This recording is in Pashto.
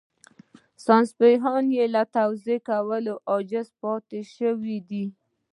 ساينسپوهان يې له توضيح کولو عاجز پاتې شوي دي.